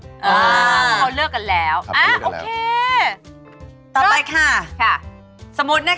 ต่อไปนะคะ